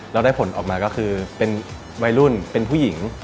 แล้วได้ผลออกมาก็คือเป็นวัยรุ่นเป็นผู้หญิง